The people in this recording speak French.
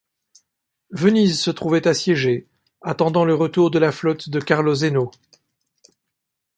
Venise se trouvait assiégée, attendant le retour de la flotte de Carlo Zeno.